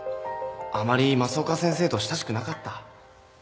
あまり増岡先生と親しくなかった？